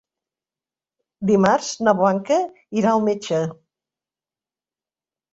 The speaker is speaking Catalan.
Dimarts na Blanca irà al metge.